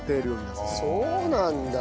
そうなんだ。